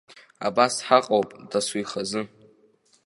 Абас ҳаҟоуп, дасу ихазы.